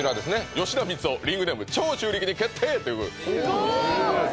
「吉田光雄リングネーム“長州力”に決定！！」ということですすごっ！